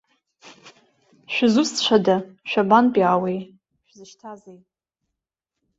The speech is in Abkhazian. Шәызусҭцәада, шәабантәаауеи, шәзышьҭази?